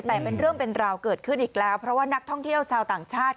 แต่เป็นเรื่องเป็นราวเกิดขึ้นอีกแล้วเพราะว่านักท่องเที่ยวชาวต่างชาติ